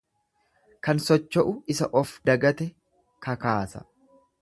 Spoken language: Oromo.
Kan socho'u isa of dagate kakaasa.